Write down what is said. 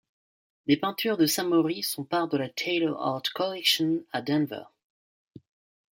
Des Peintures de Samori sont part de la Taylor Art Collection à Denver.